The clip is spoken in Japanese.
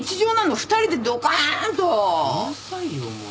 うるさいよもう。